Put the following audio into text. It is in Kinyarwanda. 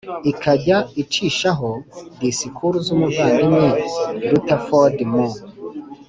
ikajya icishaho disikuru z umuvandimwe Rutherford mu